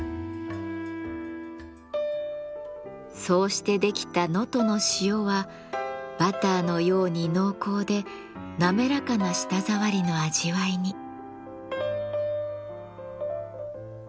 そうして出来た能登の塩はバターのように濃厚でなめらかな舌触りの味わいに。